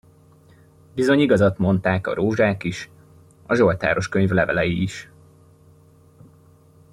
Bizony igazat mondták a rózsák is, a zsoltároskönyv levelei is!